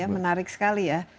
menarik sekali ya